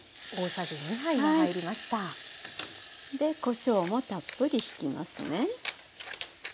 こしょうもたっぷりひきますね。